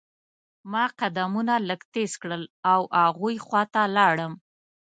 ما قدمونه لږ تیز کړل او هغوی خوا ته لاړم.